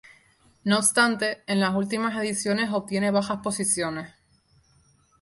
No obstante, en las últimas ediciones obtiene bajas posiciones.